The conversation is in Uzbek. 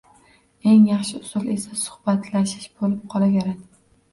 Eng yaxshi usul esa suhbatlashish bo‘lib qolaveradi.